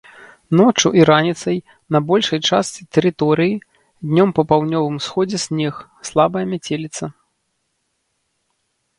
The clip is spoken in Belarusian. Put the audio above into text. Ноччу і раніцай на большай частцы тэрыторыі, днём па паўднёвым усходзе снег, слабая мяцеліца.